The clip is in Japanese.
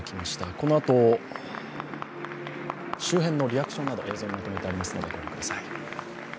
このあと、周辺のリアクションなど映像にまとめてありますのでご覧ください。